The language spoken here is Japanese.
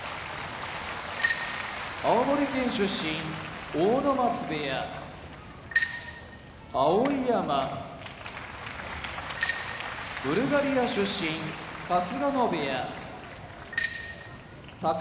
青森県出身阿武松部屋碧山ブルガリア出身春日野部屋宝